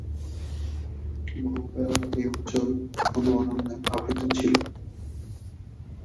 বহুকাল এই অঞ্চল ঘন অরণ্যে আবৃত ছিল।